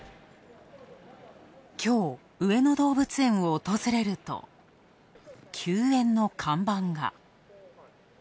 きょう、上野動物園を訪れると、休園の看板が。